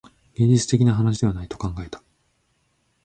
現実的な話ではないと考えた